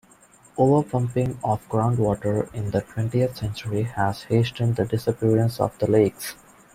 Over-pumping of groundwater in the twentieth century has hastened the disappearance of the lakes.